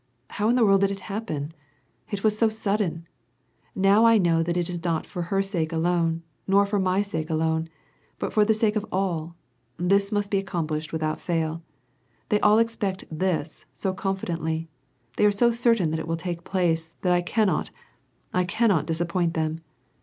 "How in the world did it ever happen ? It was so sudden ! Kow I know that not for her sake alone, nor for my own sake alone, but for the sake of all, this must be accomplished without fail. They all expect this so confidently ; they are so certain that it will take place, that I cannot, I cannot disappoint them.